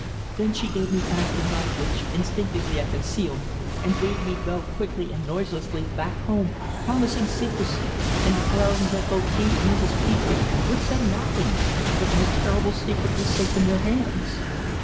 Then he gave me back the knife, which instinctively I concealed, and bade me go quickly and noiselessly back home, promising secrecy, and declaring that both he and Mrs. Petre would say nothing that my terrible secret was safe in their hands.